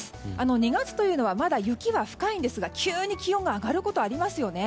２月というのはまだ雪が深いんですが急に気温が上がることがありますよね。